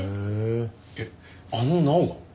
えっあの奈央が？